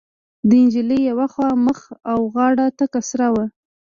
د نجلۍ يوه خوا مخ او غاړه تکه سره وه.